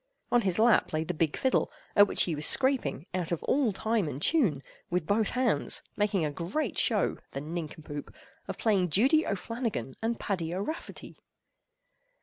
On his lap lay the big fiddle, at which he was scraping, out of all time and tune, with both hands, making a great show, the nincompoop! of playing "Judy O'Flannagan and Paddy O'Rafferty."